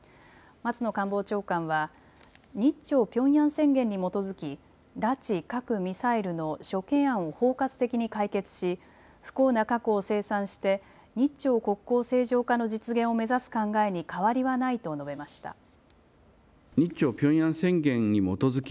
松野官房長官は日朝ピョンヤン宣言に基づき拉致・核・ミサイルの諸懸案を包括的に解決し不幸な過去を清算して日朝国交正常化の実現を目指す考えに変わりはないと述べました。